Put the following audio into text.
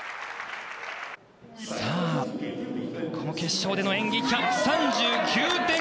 さあこの決勝での演技１３９．６０。